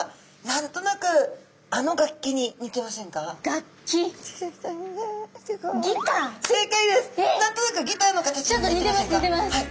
何となくギターの形に似てませんか？